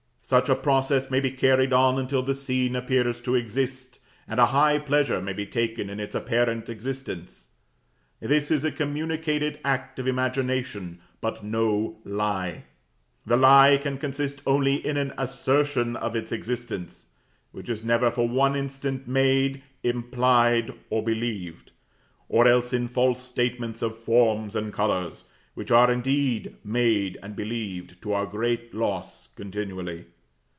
Such a process may be carried on until the scene appears to exist, and a high pleasure may be taken in its apparent existence. This is a communicated act of imagination, but no lie. The lie can consist only in an assertion of its existence (which is never for one instant made, implied, or believed), or else in false statements of forms and colors (which are, indeed, made and believed to our great loss, continually).